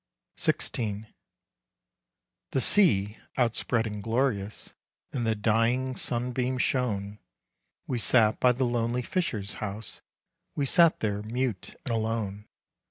XVI. The sea outspreading glorious, In the dying sunbeams shone. We sat by the lonely fisher's house, We sat there mute and alone.